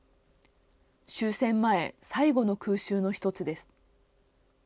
終戦前、最後の空襲の１つです。